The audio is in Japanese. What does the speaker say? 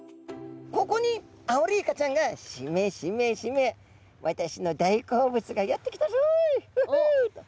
ここにアオリイカちゃんが「しめしめしめ私の大好物がやって来たぞい！フフ！」と。